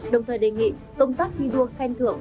đồng thời đề nghị công tác thi đua khen thưởng